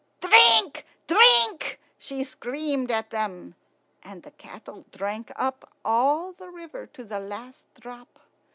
"Drink, drink!" she screamed at them; and the cattle drank up all the river to the last drop.